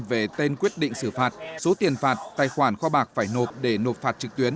về tên quyết định xử phạt số tiền phạt tài khoản kho bạc phải nộp để nộp phạt trực tuyến